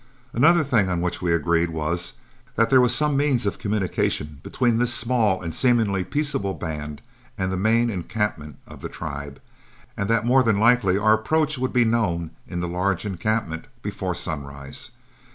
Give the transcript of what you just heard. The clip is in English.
Another thing on which we agreed was, that there was some means of communication between this small and seemingly peaceable band and the main encampment of the tribe; and that more than likely our approach would be known in the large encampment before sunrise.